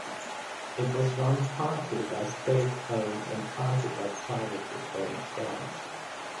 It was run partly by state-owned and partly by privately owned firms.